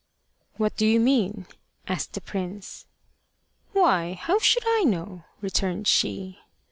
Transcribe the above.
"What do you mean?" asked the prince. "Why, how should I know?" returned she.